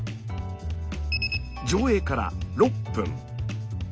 上映から６分。